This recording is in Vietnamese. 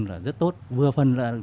là rất tốt vừa phân